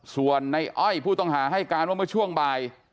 ส่วนในอ้อยผู้ต้องหาให้การว่าเมื่อช่วงบ่าย